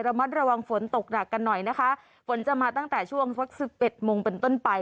ระมัดระวังฝนตกหนักกันหน่อยนะคะฝนจะมาตั้งแต่ช่วงสักสิบเอ็ดโมงเป็นต้นไป